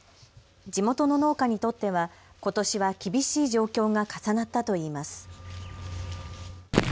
地元の農家にとっては、ことしは厳しい状況が重なったといいます。